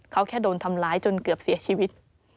เขาแค่โดนทำร้ายจนเกือบเสียชีวิต